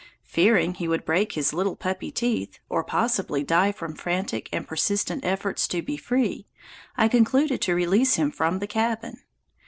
Fearing he would break his little puppy teeth, or possibly die from frantic and persistent efforts to be free, I concluded to release him from the cabin.